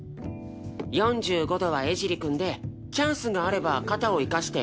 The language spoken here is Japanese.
４５度は江尻くんでチャンスがあれば肩を生かしてシュートを狙う。